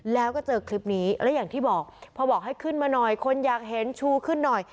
แล้วก็เจอคลิปนี้และอย่างที่บอกพอบอกให้ขึ้นมาหน่อยคนอยากเห็นชูขึ้นหน่อย